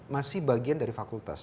masih bagian dari fakultas